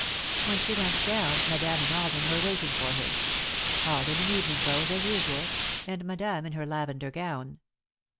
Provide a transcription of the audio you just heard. When she went down, Madame and Alden were waiting for her, Alden in evening clothes as usual and Madame in her lavender gown.